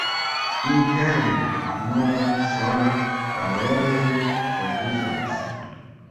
Interne nur sola galerio troviĝas.